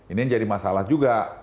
ini jadi masalah juga